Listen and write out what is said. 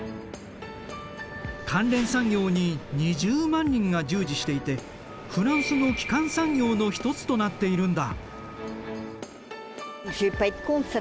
関連産業に２０万人が従事していてフランスの基幹産業の一つとなっているんだ。